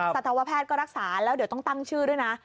สัตวแพทย์ก็รักษาแล้วเดี๋ยวต้องตั้งชื่อด้วยนะ